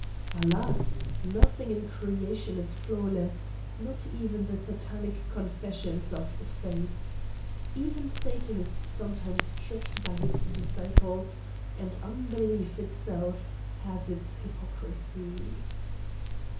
Alas! Nothing in creation is flawless not even the Satanic confession of faith. Even Satan is sometimes tricked by his disciples, and unbelief itself has its hypocrisy.